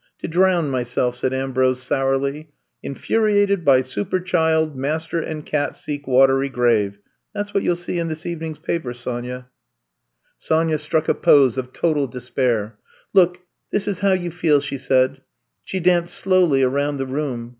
To drown myself," said Ambrose sourly. Infuriated by super child, mas ter and cat seek watery grave.' That 's what you '11 see in this evening's paper, Sonya." 122 I'VE COMB TO STAT Sonya struck a pose of total despair. Look, this is how you feel, she said. She danced slowly around the room.